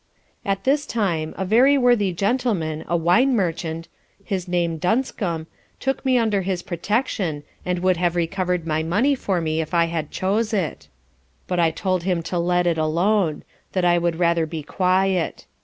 At this time a very worthy Gentleman, a Wine Merchant, his name Dunscum, took me under his protection, and would have recovered my money for me if I had chose it; but I told him to let it alone; that I wou'd rather be quiet.